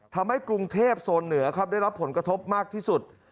ทำให้กรุงเทพโซนเหนือครับได้รับผลกระทบมากที่สุด